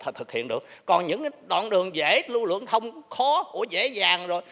thực hiện được còn những đoạn đường dễ lưu lượng thông khó dễ dàng rồi